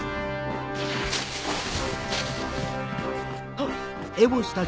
あっ！